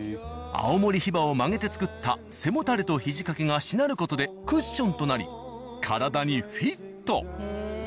青森ヒバを曲げて作った背もたれと肘掛けがしなる事でクッションとなり体にフィット。